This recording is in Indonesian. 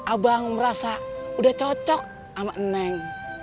abang merasa udah cocok sama neng